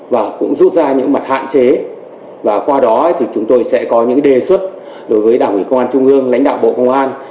và cũng rút ra những mặt hạn chế và qua đó thì chúng tôi sẽ có những đề xuất đối với đảng ủy công an trung ương lãnh đạo bộ công an